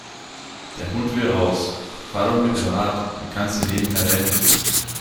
Der Hund will raus. Fahr doch mit dem Rad, dann kann sie nebenher rennen.